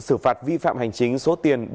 xử phạt vi phạm hành chính số tiền